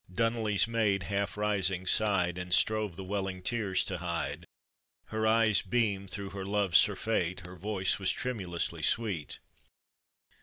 Dunolly's maid, half rising, sighed, And strove the welling tears to hide, Her eyes beamed thro' her love's surfeit, Her voice was tremulously sweet.